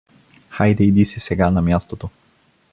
Хайде иди си сега на мястото.